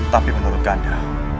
tapi menurut ganda